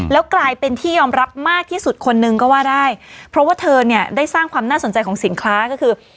แล้วกลายเป็นที่ยอมรับมากที่สุดคนนึงก็ว่าได้เพราะว่าเธอเนี่ยได้สร้างความน่าสนใจของสินค้าก็คือ